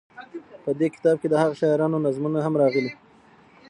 په دې کتاب کې دهغه شاعرانو نظمونه هم راغلي.